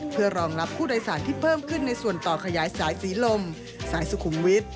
เพื่อรองรับผู้โดยสารที่เพิ่มขึ้นในส่วนต่อขยายสายสีลมสายสุขุมวิทย์